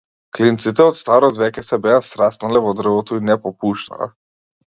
Клинците од старост веќе се беа сраснале во дрвото и не попуштаа.